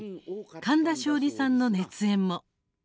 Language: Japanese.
神田松鯉さんの熱演も。